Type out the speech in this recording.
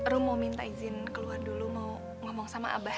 rum mau minta izin keluar dulu mau ngomong sama abah